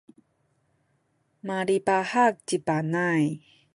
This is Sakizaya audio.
malipahak ci Panay.